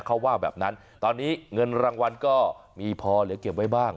เขาว่าแบบนั้นตอนนี้เงินรางวัลก็มีพอเหลือเก็บไว้บ้าง